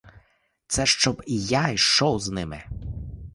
Це щоб і я йшов з ними.